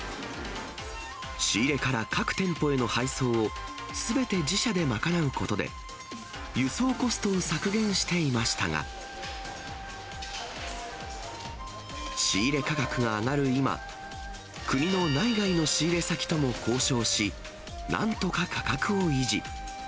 仕入れから各店舗への配送を、すべて自社で賄うことで、輸送コストを削減していましたが、仕入れ価格が上がる今、国の内外の仕入れ先とも交渉し、なんとか価格を維持。